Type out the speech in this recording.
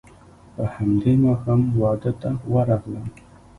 په همدې ماښام واده ته ورغلم.